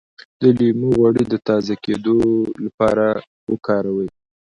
د لیمو غوړي د تازه کیدو لپاره وکاروئ